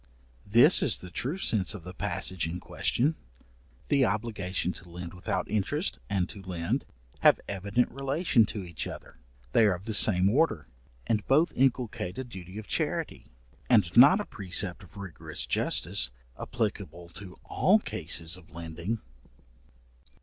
This is the true sense of the passage in question. The obligation to lend without interest, and to lend, have evident relation to each other; they are of the same order, and both inculcate a duty of charity, and not a precept of rigorous justice, applicable to all cases of lending.